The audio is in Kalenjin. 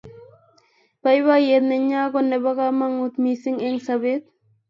baibaiet nenyon ko nebo kamangut missing eng' sabet